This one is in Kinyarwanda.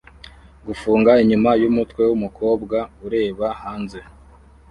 Gufunga inyuma yumutwe wumukobwa ureba hanze